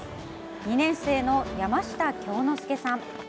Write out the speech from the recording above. ２年生の山下京之助さん。